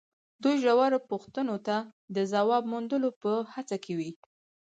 دوی ژورو پوښتنو ته د ځواب موندلو په هڅه کې وي.